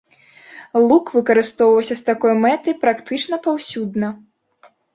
Лук выкарыстоўваўся з такой мэтай практычна паўсюдна.